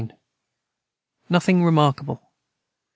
Nothing remarkable.